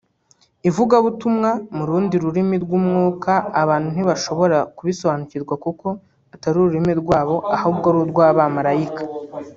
Ivugabutumwa mu rundi rurimi rw’Umwuka abantu ntibashobora kubisobanukirwa kuko atari ururimi rwabo ahubwo ari urw’abamalayika